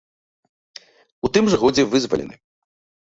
У тым жа годзе вызвалены.